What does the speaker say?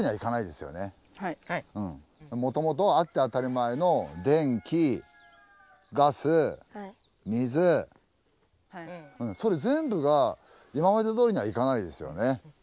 もともとあって当たり前のそれ全部が今までどおりにはいかないですよね。